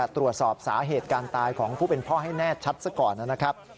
ตรวจสอบสาเหตุการตายของผู้เป็นพ่อให้แน่ชัดซะก่อนนะครับ